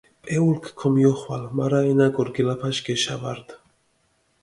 პეულქ ქომიოხვალჷ, მარა ენა გორგილაფაშ გეშა ვარდჷ.